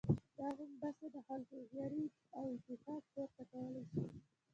دا غومبسه د خلکو هوښياري او اتفاق، پورته کولای شي.